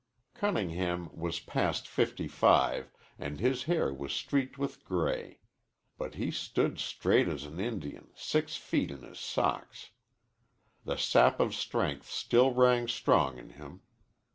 Cunningham was past fifty five and his hair was streaked with gray. But he stood straight as an Indian, six feet in his socks. The sap of strength still rang strong in him.